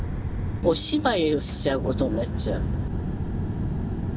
お芝居をしちゃうことになっちゃう。